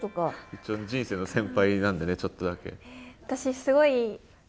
一応人生の先輩なんでねちょっとだけ。